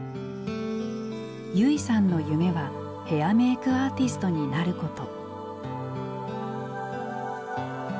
優生さんの夢はヘアメークアーティストになること。